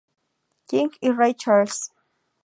King y Ray Charles.